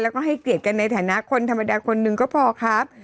แล้วก็ให้เกียรติกันในฐานะคนธรรมดาคนหนึ่งก็พอครับ